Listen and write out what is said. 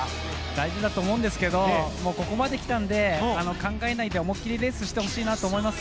大事だと思うんですがここまで来たので考えないで思いっきりレースをしてほしいなと思います。